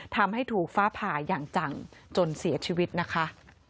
ทำให้ถูกฟ้าผ่าอย่างจังจนเสียชีวิตนะคะ